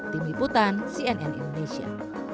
tim liputan cnn indonesia